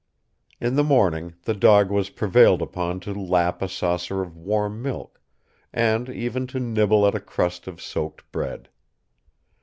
In the morning the dog was prevailed upon to lap a saucer of warm milk, and even to nibble at a crust of soaked bread.